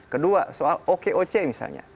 kedua soal oke oke misalnya